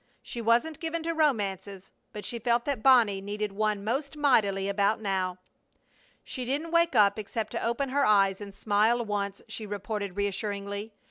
She wasn't given to romances, but she felt that Bonnie needed one most mightily about now. "She didn't wake up except to open her eyes and smile once," she reported, reassuringly.